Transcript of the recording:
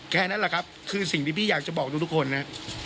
แค่นั้นแหละครับคือสิ่งที่พี่อยากจะบอกทุกคนนะ